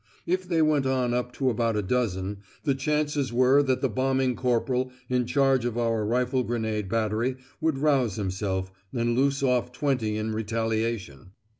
If they went on up to about a dozen, the chances were that the bombing corporal in charge of our rifle grenade battery would rouse himself, and loose off twenty in retaliation.